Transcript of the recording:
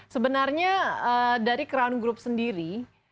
sebenarnya dari crown group sendiri